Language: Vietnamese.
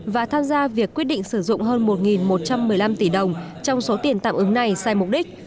và tham gia việc quyết định sử dụng hơn một một trăm một mươi năm tỷ đồng trong số tiền tạm ứng này sai mục đích